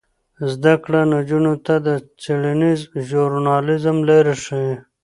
زده کړه نجونو ته د څیړنیز ژورنالیزم لارې ښيي.